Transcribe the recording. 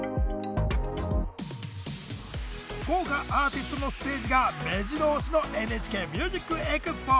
豪華アーティストのステージがめじろ押しの「ＮＨＫＭＵＳＩＣＥＸＰＯ」！